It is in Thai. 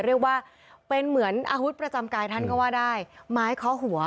เรียกว่าเป็นเหมือนอาวุธประจำกายท่านก็ว่าได้ไม้เคาะหัว